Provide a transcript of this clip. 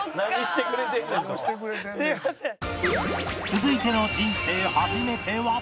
続いての人生初めては